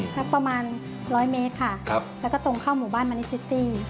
สักประมาณร้อยเมตรค่ะแล้วก็ตรงเข้าหมู่บ้านมณิชซิตี้